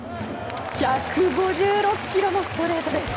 １５６キロのストレートです。